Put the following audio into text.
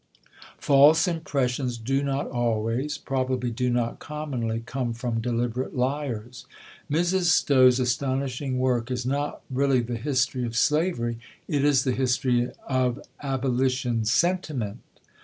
False impressions do not always, probably do not commonly, come from deliberate liars. Mrs. Stowe's astonishing work is not really the history of slavery; it is the history of abolition sentiment.